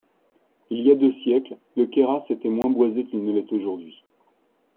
Il y a deux siècles, le Queyras était moins boisé qu’il ne l’est aujourd’hui.